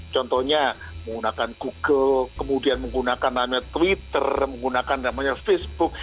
contohnya menggunakan google kemudian menggunakan namanya twitter menggunakan namanya facebook